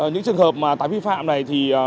những trường hợp mà tái vi phạm này thì